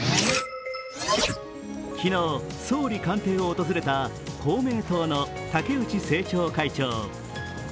昨日、総理官邸を訪れた公明党の竹内政調会長。